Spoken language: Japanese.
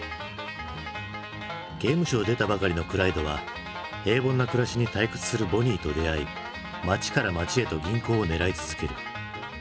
刑務所を出たばかりのクライドは平凡な暮らしに退屈するボニーと出会い街から街へと銀行を狙い続ける。